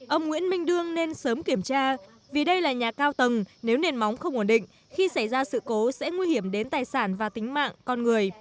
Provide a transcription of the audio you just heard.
ông nguyễn minh đương nên sớm kiểm tra vì đây là nhà cao tầng nếu nền móng không ổn định khi xảy ra sự cố sẽ nguy hiểm đến tài sản và tính mạng con người